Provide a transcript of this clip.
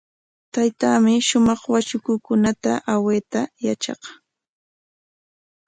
Taytaami shumaq watrakukunata awayta yatraq.